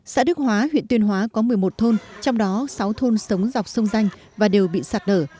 xã đức hóa huyện tuyên hóa có một mươi một thôn trong đó sáu thôn sống dọc sông danh và đều bị sạt lở